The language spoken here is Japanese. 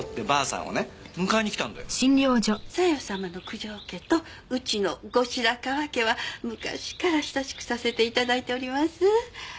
さよ様の九条家とうちの後白河家は昔から親しくさせて頂いております。